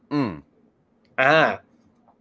อืม